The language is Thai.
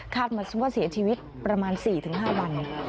คาดมาเสียชีวิตประมาณสี่ถึงห้าวัน